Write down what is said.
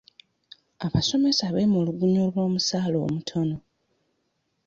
Abasomesa beemulugunya olw'omusaala omutono.